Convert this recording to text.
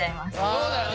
そうだよね。